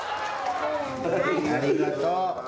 ありがとう。